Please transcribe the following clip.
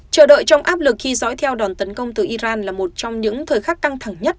chờ đợi trong áp lực khi dõi theo đòn tấn công từ iran là một trong những thời khắc căng thẳng nhất